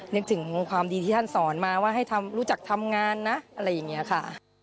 นึกถึงความดีที่ท่านสอนมาว่าให้รู้จักทำงานนะอะไรอย่างนี้ค่ะ